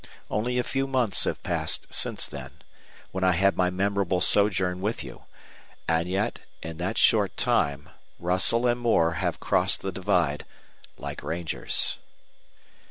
Only a few months have passed since then when I had my memorable sojourn with you and yet, in that short time, Russell and Moore have crossed the Divide, like Rangers.